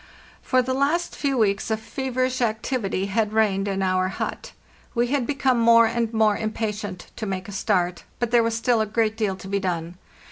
For the last few weeks a feverish activity had reigned in our hut. We had become more and more impatient to make a start; but there was still a great deal to be done.